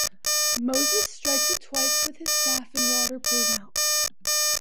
Moses strikes it twice with his staff and water pours out.